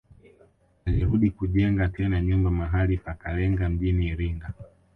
Alirudi kujenga tena nyumba mahali pa Kalenga mjini Iringa